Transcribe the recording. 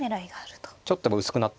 ちょっと薄くなってますね